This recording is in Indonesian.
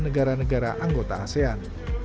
negara negara anggota asean